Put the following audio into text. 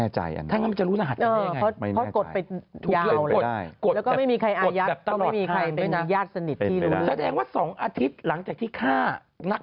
ชิวไปเที่ยวเชียงราย